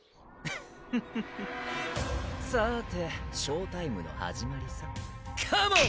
フフフさてショータイムの始まりさカモン！